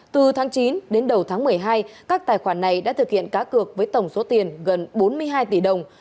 từ tháng chín đến đầu tháng một mươi hai các tài khoản này đã thực hiện cá cược với tổng số tiền gần bốn mươi hai tỷ đồng